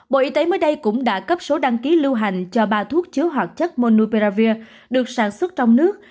bộ y tế mới đây cũng đã cấp số đăng ký lưu hành cho ba thuốc chứa hoạt chất monuperavir được sản xuất trong nước